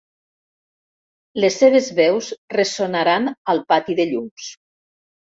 Les seves veus ressonaran al pati de llums.